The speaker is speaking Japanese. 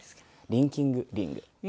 リンキングリング。